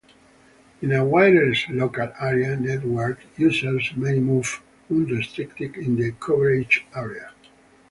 In a wireless local area network, users may move unrestricted in the coverage area.